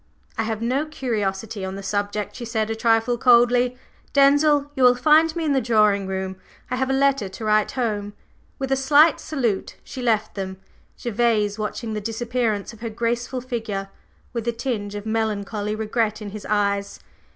"I have no curiosity on the subject," she said a trifle coldly. "Denzil, you will find me in the drawing room. I have a letter to write home." With a slight salute she left them, Gervase watching the disappearance of her graceful figure with a tinge of melancholy regret in his eyes.